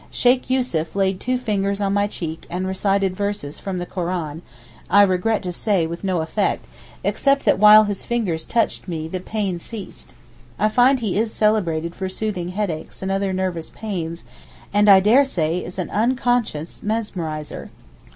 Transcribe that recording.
Sheykh Yussuf laid two fingers on my cheek and recited verses from the Koran, I regret to say with no effect, except that while his fingers touched me the pain ceased. I find he is celebrated for soothing headaches and other nervous pains, and I daresay is an unconscious mesmeriser.